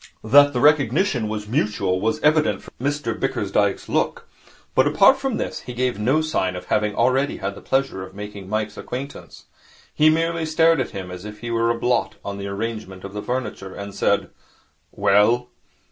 That the recognition was mutual was evident from Mr Bickersdyke's look. But apart from this, he gave no sign of having already had the pleasure of making Mike's acquaintance. He merely stared at him as if he were a blot on the arrangement of the furniture, and said, 'Well?'